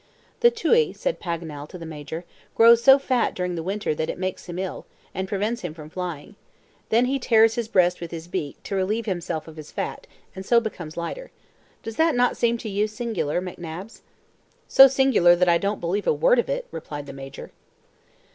"The tui," said Paganel to the Major, "grows so fat during the Winter that it makes him ill, and prevents him from flying. Then he tears his breast with his beak, to relieve himself of his fat, and so becomes lighter. Does not that seem to you singular, McNabbs?" "So singular that I don't believe a word of it," replied the Major.